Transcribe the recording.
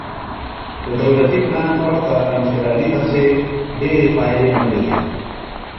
د دولتي پلان پرته انفرادي هڅې ډېرې پایلي نه لري.